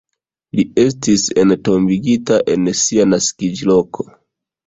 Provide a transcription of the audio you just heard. Li estis entombigita en sia naskiĝloko.